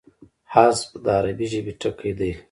حذف د عربي ژبي ټکی دﺉ.